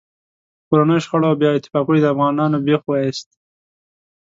کورنیو شخړو او بې اتفاقیو د افغانانو بېخ و ایست.